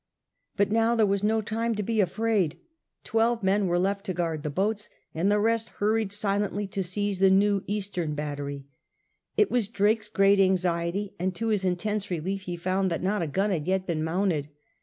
But now there was no time to be afraid. Twelve men were left to guard the boats, and the rest hurried silently to seize the new eastern battery. It was Drake's great anxiety, and to his intense relief he found that not a gun had yet been mounted.